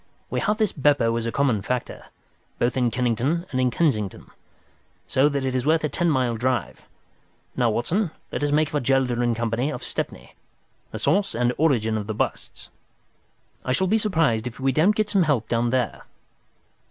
"We have this Beppo as a common factor, both in Kennington and in Kensington, so that is worth a ten mile drive. Now, Watson, let us make for Gelder & Co., of Stepney, the source and origin of the busts. I shall be surprised if we don't get some help down there."